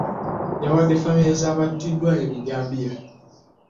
Yawadde ffamire z'abattiddwa ab'ebijambiya.